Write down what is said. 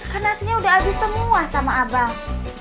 kan nasinya udah habis semua sama abang